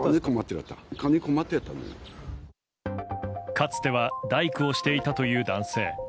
かつては大工をしていたという男性。